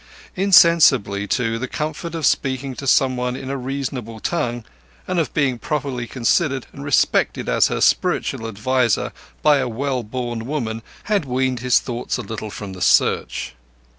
Insensibly, too, the comfort of speaking to someone in a reasonable tongue, and of being properly considered and respected as her spiritual adviser by a well born woman, had weaned his thoughts a little from the Search.